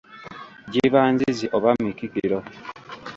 Giba nzizi oba mikikiro.